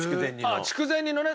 ああ筑前煮のね。